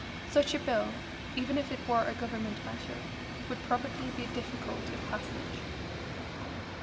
Such a bill, even if it were a Government measure, would probably be difficult of passage.